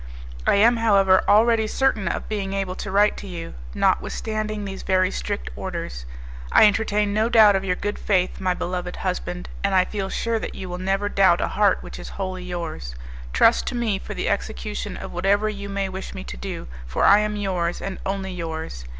I am, however, already certain of being able to write to you, notwithstanding these very strict orders. I entertain no doubt of your good faith, my beloved husband, and I feel sure that you will never doubt a heart which is wholly yours. Trust to me for the execution of whatever you may wish me to do, for I am yours and only yours.